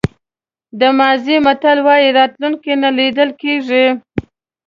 د مازی متل وایي راتلونکی نه لیدل کېږي.